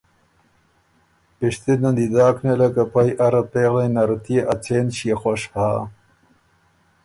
پِشتِنه ن دی داک نیله که پئ اره پېغلئ نرت يې ا څېن ݭيې خوش هۀ۔